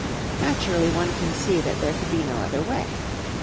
Naturally, one can see that there could be no other way.